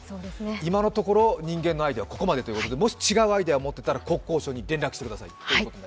今のところ人間のアイデアは、ここまでということでもし違うアイデアを持っていたら国交省に連絡してください。